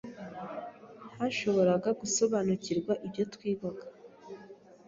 ntashoboraga gusobanukirwa ibyo twigaga,